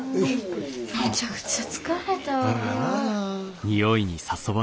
めちゃくちゃ疲れたわ。